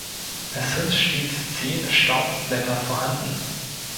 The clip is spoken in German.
Es sind stets zehn Staubblätter vorhanden.